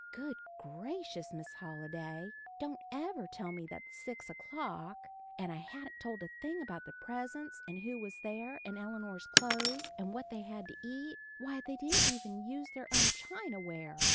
Good gracious, Miss Halliday, don't ever tell me that's six o'clock! And I haven't told a thing about the presents, and who was there, and Eleanor's clothes, and what they had to eat why, they didn't even use their own china ware!